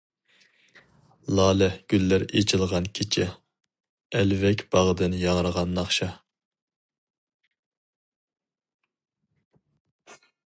لالە گۈللەر ئېچىلغان كېچە، ئەلۋەك باغدىن ياڭرىغان ناخشا.